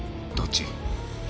どっち？